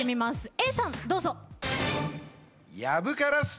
Ａさんどうぞ。